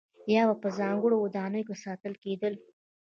یا به په ځانګړو ودانیو کې ساتل کېدل.